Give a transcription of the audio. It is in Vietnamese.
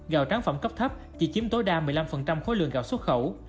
gạo tráng phẩm cấp thấp chỉ chiếm tối đa một mươi năm khối lượng gạo xuất khẩu